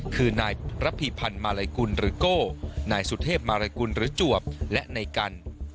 คือนายระพีพันธ์มาลัยกุลหรือโก้นายสุเทพมารกุลหรือจวบและนายกัน